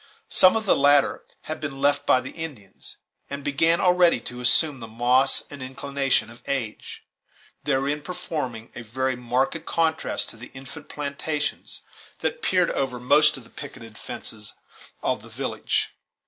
Some of the latter had been left by the Indians, and began already to assume the moss and inclination of age, therein forming a very marked contrast to the infant plantations that peered over most of the picketed fences of the village.